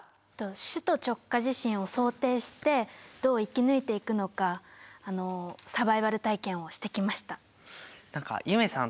首都直下地震を想定してどう生き抜いていくのかサバイバル体験をしてきました。